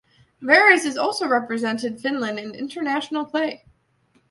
Varis has also represented Finland in international play.